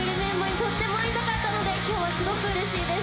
とても会いたかったので今日はすごく嬉しいです